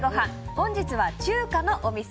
本日は中華のお店